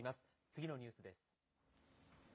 次のニュースです。